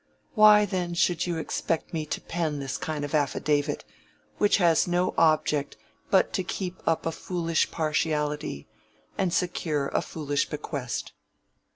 Why then should you expect me to pen this kind of affidavit, which has no object but to keep up a foolish partiality and secure a foolish bequest?"